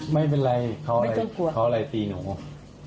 ไม่เป็นไรเขาอะไรตีหนูเตียงเหรอ